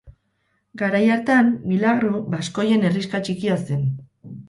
Garai hartan Milagro, baskoien herrixka txikia zen.